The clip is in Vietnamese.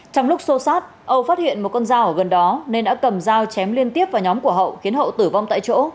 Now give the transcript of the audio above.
trong lúc xô xát hậu phát hiện một con dao ở gần đó nên đã cầm dao chém liên tiếp vào nhóm của hậu khiến hậu tử vong tại chỗ